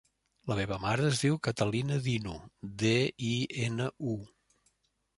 La meva mare es diu Catalina Dinu: de, i, ena, u.